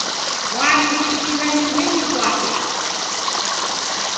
Warighitira nyumbenyi kwape.